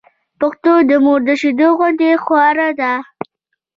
پښتو د مور شېدو غوندې خواړه ده